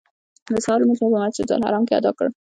د سهار لمونځ مو په مسجدالحرام کې ادا کړ.